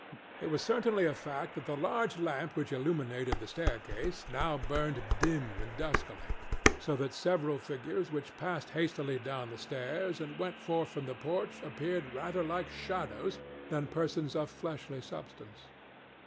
It was certainly a fact that the large lamp which illuminated the staircase now burned dim and duskily; so that several figures which passed hastily down the stairs and went forth from the porch appeared rather like shadows than persons of fleshly substance.